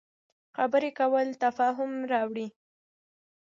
خبرې کول تفاهم راوړي